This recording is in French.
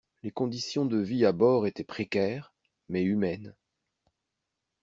les conditions de vie à bord étaient précaires, mais humaines.